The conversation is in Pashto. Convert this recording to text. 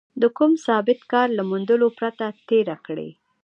د کوم ثابت کار له موندلو پرته تېره کړې.